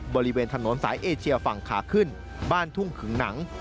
บริเวณถนนสายเอเชียฝั่งขาขึ้นบ้านทุ่งขึงหนัง